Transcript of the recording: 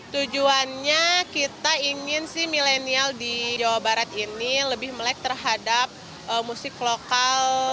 tujuannya kita ingin sih milenial di jawa barat ini lebih melek terhadap musik lokal